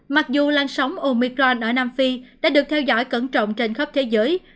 mặc dù lan sóng omicron ở nam phi đã được theo dõi cẩn trọng trên khắp thế giới